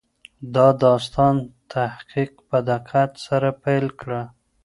د داستان تحقیق په دقت سره پیل کړه.